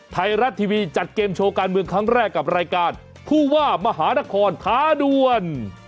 ไทยรัฐทีวีจัดเกมโชว์การเมืองครั้งแรกกับรายการผู้ว่ามหานครท้าด้วน